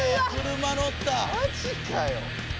マジかよ。